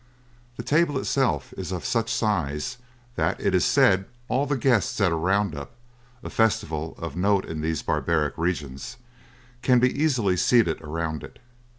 The table itself is of such size that it is said all the guests at a round up a festival of note in these barbaric regions can be easily seated around it.